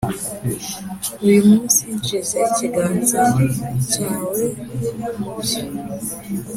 uyu munsi, nshyize ikiganza cyawe mu bye